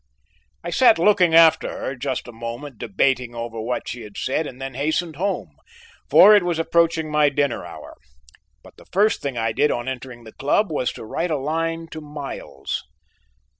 I sat looking after her just a moment debating over what she had said and then hastened home, for it was approaching my dinner hour, but the first thing I did on entering the club was to write a line to Miles.